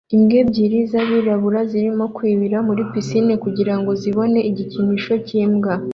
Imbwa ebyiri zabirabura zirimo kwibira muri pisine kugirango zibone igikinisho cyimbwa